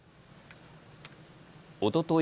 おととい